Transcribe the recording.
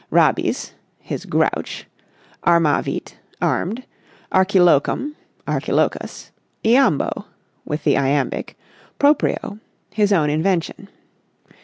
Rabies—his grouch—armavit—armed—Archilochum— Archilochus—iambo—with the iambic—proprio—his own invention.